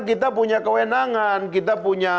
kita punya kewenangan kita punya